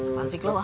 kapan sih claudia